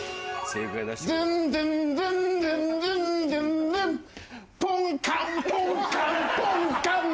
「ズンズンズンズンズンズンズン」「ポンカンポンカンポンカンチー」